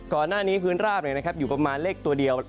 ก่อนหน้านี้พื้นราบอยู่ประมาณเลขตัวเดียว